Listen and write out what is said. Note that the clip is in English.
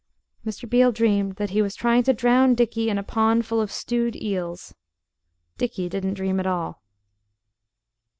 Mr. Beale dreamed that he was trying to drown Dickie in a pond full of stewed eels. Dickie didn't dream at all.